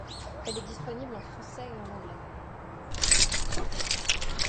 Elle est disponible en français et en anglais.